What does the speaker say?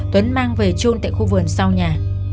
tuấn mang về trôn tại khu vườn sau nhà